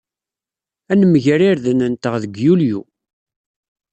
Ad nemger irden-nteɣ deg Yulyu.